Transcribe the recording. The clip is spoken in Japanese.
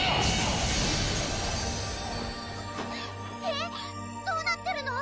えっどうなってるの？